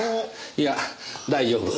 いや大丈夫。